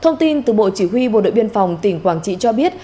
thông tin từ bộ chỉ huy bộ đội biên phòng tỉnh quảng trị cho biết